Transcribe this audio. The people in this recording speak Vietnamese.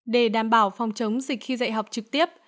để đảm bảo phòng chống dịch khi dạy học trực tiếp